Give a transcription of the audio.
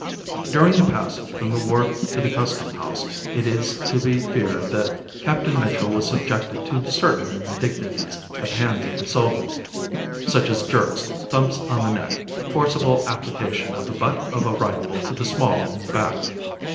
During the passage from the wharf to the Custom House it is to be feared that Captain Mitchell was subjected to certain indignities at the hands of the soldiers such as jerks, thumps on the neck, forcible application of the butt of a rifle to the small of his back.